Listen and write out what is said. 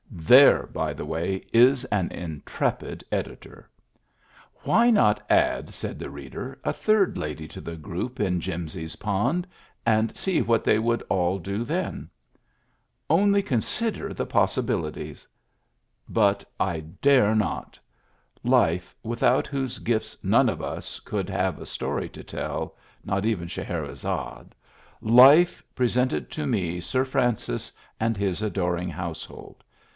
(There, by the way, is an intrepid editor!) Why not add, said the reader, a third lady to the group in Jimsy's pond, and see what they would all do then ? Only consider the pos sibilities! But I dare not. Life, without whose gifts none of us could have a story to tell — not even Scheherezadfe — life presented to me Sir Francis and his adoring household.